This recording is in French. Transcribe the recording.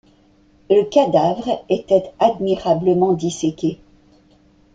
Le cadavre était admirablement disséqué.